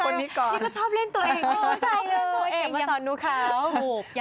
นี่ก็ชอบเล่นตัวเองมาสอนหนูเขาถูก